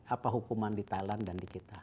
apa hukuman di thailand dan di kita